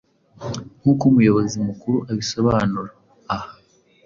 nk’uko Umuyobozi Mukuru abisobanura. Aha,